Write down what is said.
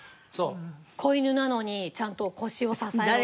子犬なのにちゃんと腰を支えろとか。